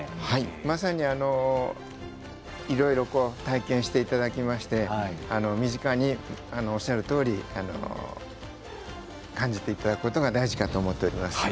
まさにいろいろと体験していただきまして身近に、おっしゃるとおり感じていただくことが大事かと思っております。